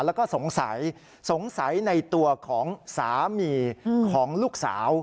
แล้วก็สงสัยสงสัยในตัวของสามีของลูกสาว